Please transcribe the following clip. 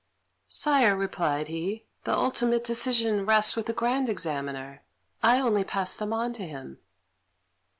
"Sire," replied he, "the ultimate decision rests with the Grand Examiner; I only pass them on to him."